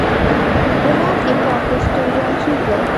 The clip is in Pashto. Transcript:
ګلاب د پاکو سترګو انځور دی.